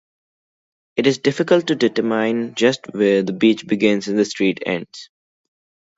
It is difficult to determine just where the beach begins and the street ends.